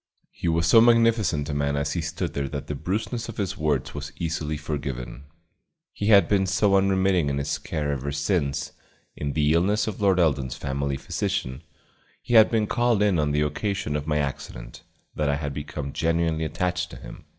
He was so magnificent a man as he stood there that the brusqueness of his words was easily forgiven; he had been so unremitting in his care ever since, in the illness of Lord Eldon's family physician, he had been called in on the occasion of my accident, that I had become genuinely attached to him.